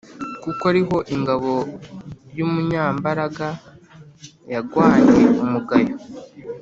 Kuko ari ho ingabo y’umunyambaraga yagwanye umugayo